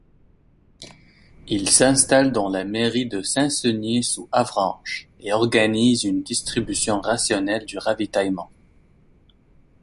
Il s'installe dans la mairie de Saint-Senier-sous-Avranches et organise une distribution rationnelle du ravitaillement.